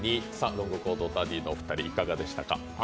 ロングコートダディのお二人いかがでしたか。